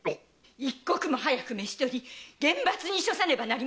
一刻も早く召し捕り厳罰に処さねばなりませぬ！